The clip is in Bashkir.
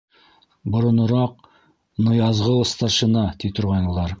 Боронораҡ Ныязғол старшина ти торғайнылар.